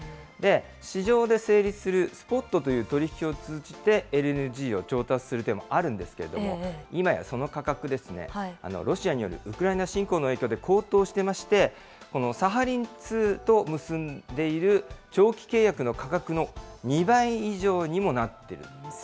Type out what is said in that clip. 市場で成立するスポットという取り引きを通じてＬＮＧを調達する手もあるんですけれども、今やその価格ですね、ロシアによるウクライナ侵攻の影響で高騰していまして、このサハリン２と結んでいる長期契約の価格の２倍以上にもなっているんです。